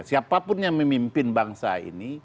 siapapun yang memimpin bangsa ini